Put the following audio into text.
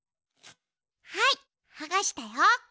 はいはがしたよ。